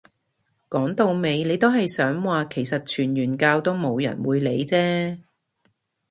講到尾你都係想話其實傳完教都冇人會理啫